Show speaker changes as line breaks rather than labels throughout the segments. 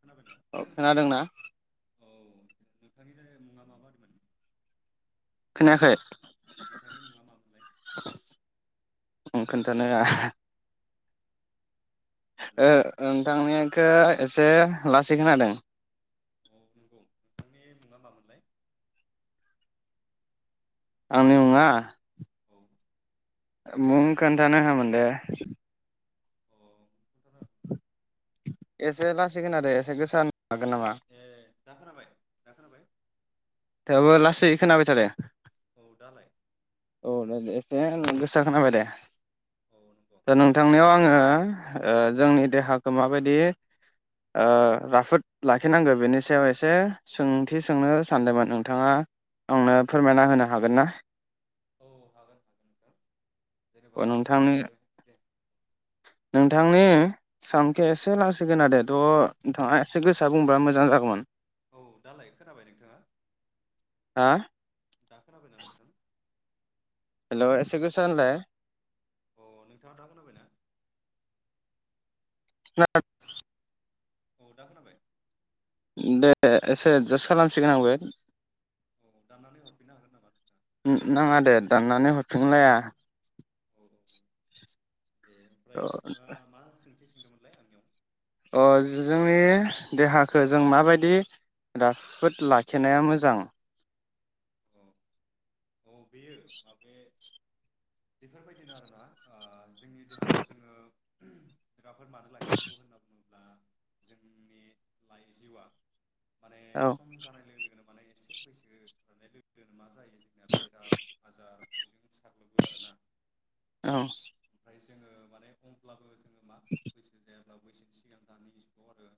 खोनाबायना
अ खोनादोंना
औ नोंथांनिनो मुङा माबादिमोन
खोनायाखै
नोंथांनि मुङा माबोनलाय
आ खोन्थानो [unintelligible]
हेलौ
ओ नोंथांनिखो एसे लासै खोनादों
औ नंगौ नोंथांनि मुङा मामोनलाय
आंनि मुङा
औ
मुं खोन्थानो हामोन दे
[unintelligible]
एसे लासै खोनादो एसे गोसा होन
ए दा खोनाबाय दा खोनाबाय
थेवबो लासै खोनाबाय थादों
औ दालाय
औ दे-दे एसे गोसा खोनाबाय दे
औ नंगौ
नोंथांनायाव आङो ओ जोंनि देहाखौ माबायदि
औ
ओ राफोद लाखि लाखिनांगौ बेनि सायाव एसे सोंथि सोंनो सानदोंमोन नोंथाङा आंनो फोरमायना होनो हागोन ना
औ हागोन-हागोन नोंथा जेनेबा
नोंथांनि
जोङो दे-दे
नोंथांनि सान [unintelligible] नोंथाङा एसे
औ
गोसो बुंबा मोजां जागौमोन
औ दालाय खोनाबाय नोंथाङा
हा
दा खोनाबायना नोंथां
हेलौ एसे गोसा होनलाय
अ नोंथाङा दा खोनाबायना
[unintelligible]
औ दा खोनाबाय
दे एसे जस खालामसिगोन आंबो
औ दाननानै हरफिननो हागोन नामा नोंथां
नाङा दे दाननानै हरफिनलाया
औ दे ओमफाय नोंथाङा मा सोंथि सों
अ जोंनि देहाखौ जों माबायदि राफोद लाखिनाया मोजां
अ औ बेयो माबे बेफोरबायदिनो आरोना ओ जोंनि देहाखौ जोङो राफोर मानो लाखि नांगौ होनना बुङोबा बा जोंनि लाइ जिउआ माने
औ
सम जानाय लोगो लोगोनो माने एसे बैसो जोनोमा जायो जोंनिया बेराम आजार बेजों साग्लोबबो आरोना
औ
[unintelligible] जोङो मा बैसो जाया जब्लाबोैसे सिगां दानि इस्थ आरो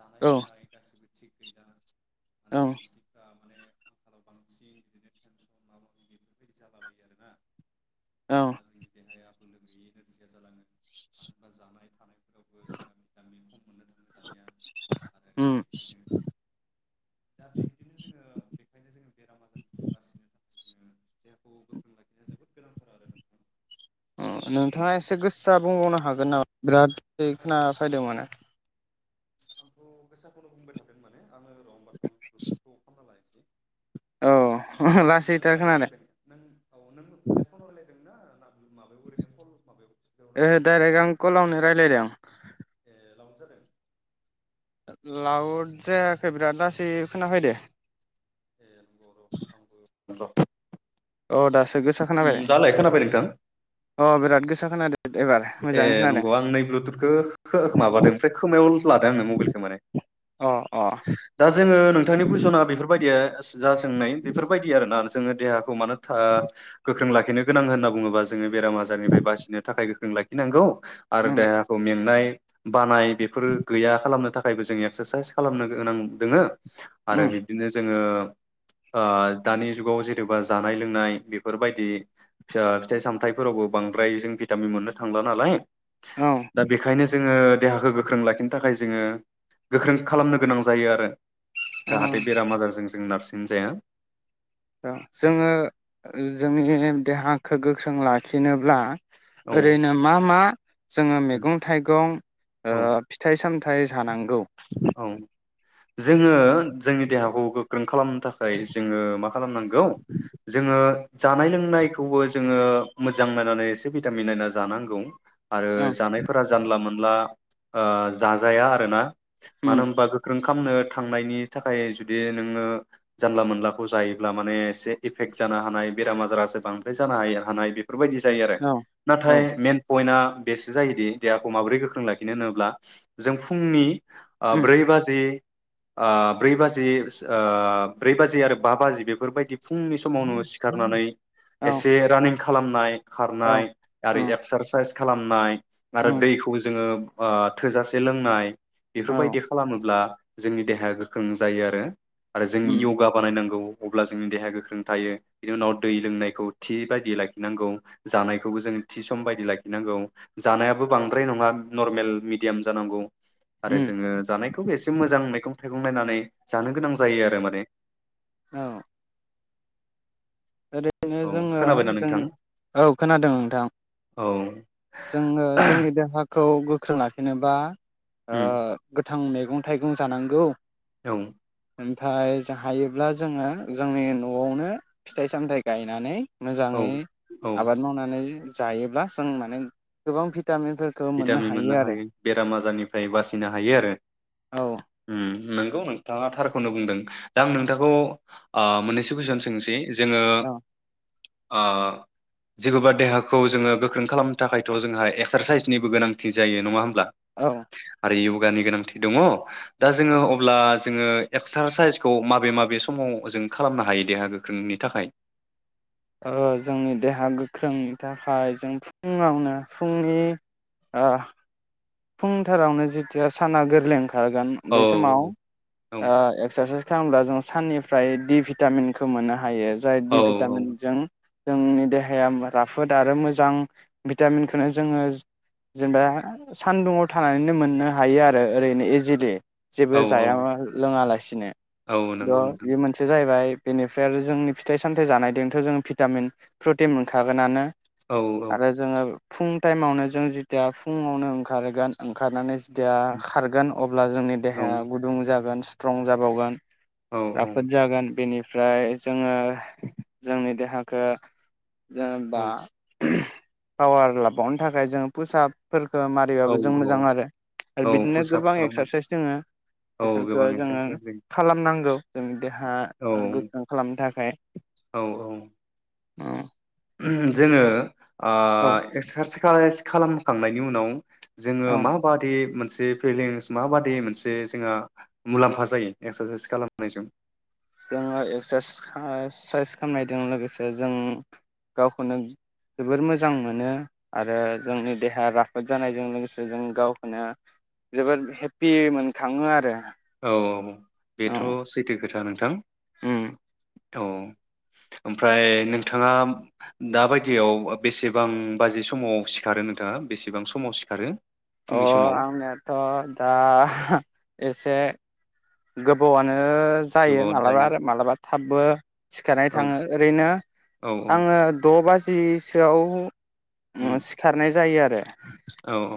जानाय
औ
लोंनाय गासिबो थिग गैला माने
औ
मानसिकथा माने आंखालाव बांसिन बिदिनो टेनसन माबा मि बेफोरबायदि जालाबायो आरोना
औ
माने जोंनि देहाया नो गैयै नोरजिया जालाङो मानो होनबा जानाय थानाय फोरावबो जोंहा बितामिन खम मोननो दानिया आरो
उम
बेखायनो दा बिदिनो जोङो बेखायनो जो बेराम आजारनिफ्राय बासिनो थाखाय जोङो देहाखौ गोख्रों लाखिनाया जोबोद गोनांथार आरो नोंथां।
नोंथाङा एसे गोस्सा बुंबावनो हागोन नामा बिराद सै
आङो
खोना फैदों माने
आंथ' गोसाखौनो बुंबाय थादों माने आङो
[unintelligible]
खालायसै
औ
नोङो
लासैथार
मायाव
खोनादों
रायलायदों? नों औ नों हेडफनाव रायलाय दोंना ना माबायाव ओरैनो कल माबायाव स्पिकाराव
ओ
रायलायदों
डाइरेक्ट आं कलावनो रायलायदों।
ए लावद जादों?
लाउड जायाखै बिराद लासै खोनाफैदो।
ए नोंग' र' आंबो र'
अ दासो गोसा खोनाबाय
उम दालाय खोनाबाय नोंथां?
अ बिराद गोसा खोनादों। एबार
ए
मोजाङै
नंग' आं नै ब्लुथुथखौ माबादों ओमफ्राय खोमायाव लादो आङो मबेलखो माने।
अ अ
दा जोङो नोंथांनि कुइसना बेफोरबायदिया जा सोंनाय बेफोरबायदि आरोना जोङो देहाखौ मानो आह गोख्रों लाखि खिनो गोनां होनना बुङोबा जोङो बेराम आजारनिफ्राय बासिनो थाखाय जों लाखिनांगौ। आरो
उम
देहाखौ मेंनाय बानाय बेफोर गैया खालामनो थाखायबो जों एक्सारसाइस खालामनो गोनां दोङो।
उम
आरो बिब्दिनो जोङो ओ दानि जुगाव जेनेबा जानाय लोंनाय बेफोरबायदि फिथाइ सामथाइफोरावबो बांद्राय जों भिटामिन मोननो थांला नालाय
औ
दा बेखायनो जोङो देहाखौ गोख्रों लाखिनो थाखाय जोङो गोख्रों खालामनो गोनां जायो आरो।
औ
जाहाथे बेराम आजारजों जों नारसि सिन्जाया
जोङो जोंनि देहाखौ गोख्रों लाखिनोब्ला
औ
ओरैनो मा मा जोङो मैगं थाइगं
औ
ओ फिथाइ सामथाय फाथाय जानांगौ।
औ जोङो जोंनि देहाखौ गोख्रों खालामनो थाखाय जोङो मा खालामनांगौ जोङो जानाय लोंनायखौबो जोङो मोजां नायनानै एसे भिटामिन नायना जानांगौ। आरो
औ
जानायफोरा जानला मोनला ओ जाजाया आरोना।
उम
मानो होमबा गोख्रों खामनो थांनायनि थाखाय जुदि नोङो जानला मोनलाखौ जायोब्ला माने एसे एफेक्ट जानो हानाय बेराम आजारासो बांद्राय जानो हानाय बे बेफोरबायदि जायो आरो
औ औ
नाथाय मेन पइन्टआ बेसो जायोदि देहाखौ माबोरै गोख्रों लाखिनो होनोब्ला जों फुंनि
उम
ब्रै बाजि ओ ब्रै बाजि ओ ब्रै बाजि आरो बा बाजि बेफोरबायदि फुंनि समावनो सिखारनानै
औ
एसे रानिं खालामनाय।
औ
खारनाय आरो
उम
एक्सारसाइस। खालामनाय। आरो
उम
दैखौ जोङो ओ थोजासे लोंनाय।
औ
बेफोरबाय खालामामोब्ला जोंनि देहाया गोख्रों जायो आरो। आरो जों
उम
योगा बानायनांगौ। अब्ला जोंनि देहाया गोख्रों थायो बिनि उनाव दै लोंनायखौ थि बायदि लाखिनांगौ जानायखौबो जों थि सम बायदि लाखिनांगौ जानायाबो बांद्राय नङा नरमेल मिडियाम जानांगौ। आरो
उम
जोङो एसे मोजां मैंगं थाइगं नायनानै जानो गोनां जायो आरो माने
औ। आरो। बेनिखायनो
औ
जोङो
खोनाबायना नोंथां
जोंनि औ खोनादों नोंथां
औ
जोङो जोंनि देहाखौ खौ गोख्रों लाखिनोबा
उम
ओह गोथां मैगं थाइगं जानांगौ
ओ।
ओमफ्राय जा हायोब्ला जोङो जोंनि न'आवनो फिथाइ सामथायाइ गायनानै।
औ
मोजाङै
औ
आबाद मावनानै जायोब्ला जों माने गोबां भि
भिटामिन मोननो हायो बेराम आजारनिफ्राय बासिनो हायो आरो
औ
ओम नोंगौ नोंथाङा थारखौनो बुंदों दा आं नोंथांखौ आ मोननैसो कुइसन सोंनोसै जोङो
औ
आ जिखौबा देहाखौ जोङो गोख्रों खालामनो थाखायथ जोंहा एक्सारसाइस निबो गोनांथि जायो नङा होमब्ला
औ
इयुगानि गोनांथि दङ दा जोङो अब्ला जोङो एक्सारसाइसखौ माबे माबे समाव जों खालामनो हायो देहा गोख्रोंनि थाखाय
ओ जोंनि देहा गोख्रोंनि थाखाय जों फुङावनो फुंनि आ फुंथारावनो जेथिया साना गोरलै ओंखा खारगोन
औ
बे समाव
औ
एक्सारसाइस खालामब्ला जों साननिफ्राय दि भिटामिनखौ मोननो हायो। जाय
औ
दि भिटामिनजों जोंनि देहाया राफोद आरो मोजां भिटामिनखौनो जोङो जेनेबा सानदुङाव थानानैनो मोननो हायो आरो ओरैनो इजिलि जेबो
औ
जाया लोङालासि दिनो
औ
दा
नंगौ नोंथां
बे मोनसेया जाहैबाय बेनिफ्राय आरो जोंनि फिथाइ सामथायाइ जानायजोंथ जों भिटामिन प्रटिन मोनखागोनानो
औ औ
आरो जोङो फुं टाइमावनो जों जथिया फुङावनो ओं ओंखारोगोन ओंखारनानै थिया खारगोन अब्ला जोंनि
औ
देहाया गुदुं जागोन सि स्ट्रं जाबावगोन रफोत जागोन बेनि ओमफ्राय जोङो जोंनि देहाखो
औ
जेनेबा पावार लाबावनो थाखाय जों फुसाबफोरखो
औ
दैबाबो जों मोजां
औ
आरो
औ
बिदिनो
फुसाब
गोबां
खालामनां
एक्सारसाइस दोङो
औ
बेफोरखौ
गोबां
जोङो
एक्सारसाइस
खालामनांगौ जोंनि देहा
औ
गोख्रों खालामनो थाखाय।
औ औ
औ
जोङो आ एक्सारस खालाय खालामखांनायनि उनाव जोङो
औ
माबादि मोनस फलिस माबादि मोनसे जोंहा मुलाम्फा जायो एक्सारसाइस खालामनायजों
जोङो एक्स-एक्सारसाइस खालामनायजों लोगोसे जों गावखौनो जोबोर मोजां मोनो आरो जोंनि देहाया राफोद जानायजों लोगोसे जों गावखौनो जोबोर हेपि मोनखाङो आरो।
औ औ
औ
बेथ सैथो खोथा नों थां
उम
औ ओमफ्राय नोंथाङा दााबायदियाव बेसेबां बाजि समाव सिखारो नोंथाङा बेसेबां समाव सिखारो?
अ
फुंनि समाव
आंनिथ‌ दा एसे गोबावानो ओ जायो मालाबा मा थाबबो सिखारनाय
औ
थाङो ओरैनो
औ
आ द बा जिसोआव
उम
सिखारनाय जायो आजा दे
औ औ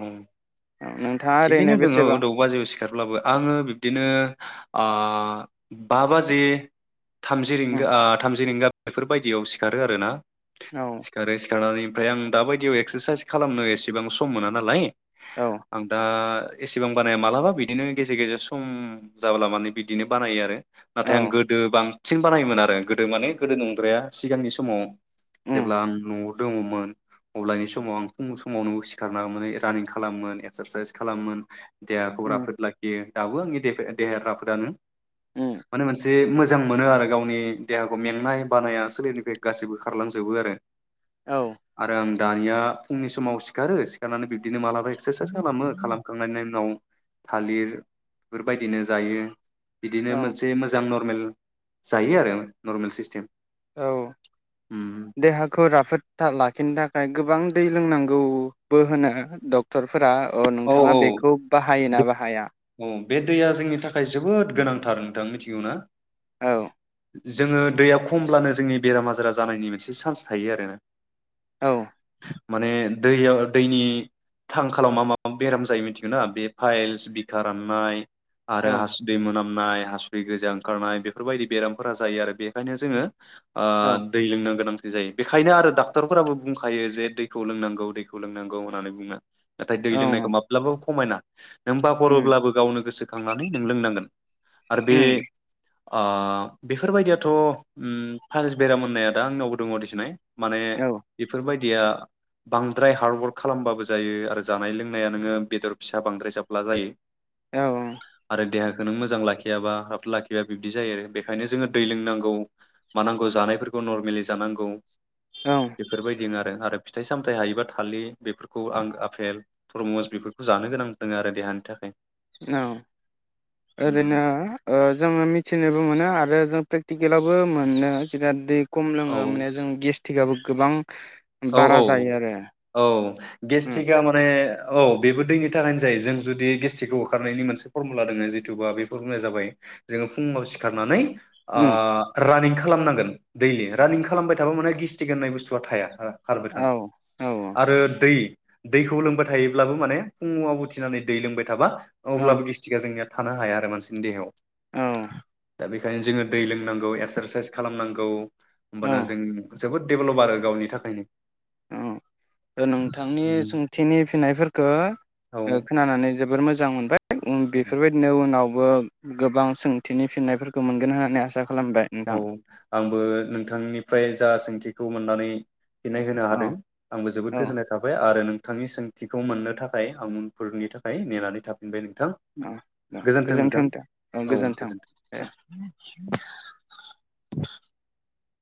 ओरैनो
थिगैनो दङ
बेसेबां
द बाजे सिखारब्लाबो आङो बिबदिनो ओ बा बाजि थामजि
उम
रिंगा ओ थामजि रिंगा बेफोरबायदियाव सिखारो आरो ना
औ
सिखारो सिखारनानै ओमफ्राय आं दाबायदियाव एक्सारसाइस खालामनो एसेबां सम मोना नालाय
औ
आं दा एसेबां बानाया मालाबा बिदिनो गेजेर गेजेर सम जाब्ला माने बिदिनो बानायो आरो। नाथाय आं
औ
गोदो बां सिन बानायोमोन आरो गोदो माने गोदो नंद्राया सिगांनि समाव
उम
जेब्ला आं नआव दङमोन अब्लानि समाव आं फुं समावनो सि सिखारना मोन रानिं खालामोन एक्सारसाइस खालामोन। देहाखौ
उम
राफोद लाखियो। दाबो आंनि देहाया राफोदानो
उम
माने मोनसे मोजां मोनो आरो गावनि देहाखौ मेंनाय बानाया सोलेरनिफ्राय गासैबो खारलांजोबो आरो।
औ
आरो आं दानिया फुंनि समाव सिखा सिखारो सिखारनानै बिब्दिनो मालाबा एक्सारसाइस खालामो खालामखांनायनि उनाव थालिर बेफोरबायदिनो जायो बिदिनो
औ
मोनसे मोजां न मेल जायो आरो नर्मेल सिस्टेम
औ देहाखौ राफोद लाखिनो थाखाय गोबां दै लोंनांगौबो होनो डक्टर फोरा
औ
नोंथाङा
औ
बेखौ बाहायोना बाहाया?
औ बे दैया जोंनि थाखाय जोबोद गोनांथार नोंथां मिथिगौ ना।
औ
जोङो दैया खमब्लानो जोंनि बेराम आजारा जानायनि मोनसे चान्स थायो आरो।
औ
माने दैयाव दैनि थां खालाम मा माबा बेराम जायो मिथिगौ बे फाइल्स बिखा राननाय आरो
औ
हासुदै मोनाम नाय हासुदै गोजा ओंखारनाय बेफोरबायदि बेरामफोरा जायो आरो बेखायनो जोङो ओ
औ
दै लोंनो गोनां जायो बेखायनो आरो डाक्टरफोराबो बुंखायो जे दैखौ लोंनांगौ दैखौ लोंनांगौ होननानै बुङो नाथाय दै लोंनायखौ
औ
माब्लाबाबो खमायनाङा। नों
उम
बावगारोब्लाबो गावनो गोसो खांनानै नों लोंनांगोन। आरो बे
उम
ओ बेफोरबायदियाथ होम फाइल्स बेराम होननाया दा आंनावबो देसुंहाय। माने
औ
बेफोरबायदि बांद्राय हार्ड वर्क खालामबाबो जायो आरो जानाय लोंनाया नोङो बेदर फिसा बांद्राय जाब्ला जायो।
औ
आरो देहाखौ नों मोजां लाखियाबा हाब लाखिबा बिबदि जायो आरो बेखायनो जोङो दै लोंनांगौ मानांगौ जानायफोरखौ नरमेलि जानांगौ
औ
बेफोरबायदि आरो आरो फिथाइ सामथाइ हायोबा थालिर बेफोरखौ आरो आफेल थरमुस बेफोरखौ जानो गोनां दङ आरो देहानि थाखाय।
औ ओरैनो
उम
ओ जोङो मिथिनोबो मोनो आरो जों प्रेकटिकेलावबो मोनो जोंना दै खम
औ
लोङो माने जों गेस थिगाबो गोबां
औ औ
बारा जायो आरो
औ
उम
गेस्टिकआ माने औ बेबो दैनि थाखायनो जायो जों जुदि गेस्ट्रिकखौ होखारनायनि मोनसे फरमुला दङ जिथुबा बे फरमुलाया जाबाय जोङो फुङाव सिखारनानै आ
उम
रान्निंग खालामनांगोन दैयलि, रान्निंग खालामबाय थाबा माने गेस्ट्रिक होननाय बुस्थुआ थाया। खारबाय था
औ औ
आरो दै दैखौ लोंबाय थायोब्लाबो माने फुङाव उथिनानै दै लोंबाय थाबा
औ
अब्लाबो गिस्टिकआ जोंनिया थानो हाया आरो मानसिनि देहायाव
औ
दा बेखायनो जोङो दै लोंनांगौ, एक्सारसाइस खालामनांगौ।
औ
होमबाना जों जोबोद डेभलप आरो गावनि थाखायनो।
अ' नोंथांनि
उम
सोंथिनि फिन्नायफोरखौ खोनानानै जोबोर मोजां मोनबाय
औ
बेफोरबायदिनो उनाव बो गोबां सोंथिनि फिननायफोरखौ मोनगोन होननानै आसा खालामबाय
औ
नोंथां
आंबो नोंथांनिफ्राय जा सोंथि खौ मोननानै फिननाय होनो
औ
हादों आंबो जोबोद
औ
गोजोननाय थाबाय आरो नों थांनि सोंथिखौ मोननो थाखाय आं उनफोरनि थाखाय नेनानै थाफिनबाय नों
अ' अ' गोजोनथों दे औ गोजोन्थों दे। [unintelligible]